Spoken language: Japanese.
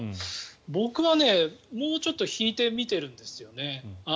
僕はもうちょっと引いて見ているんですよね。